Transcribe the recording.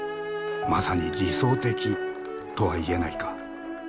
「まさに理想的」とは言えないか？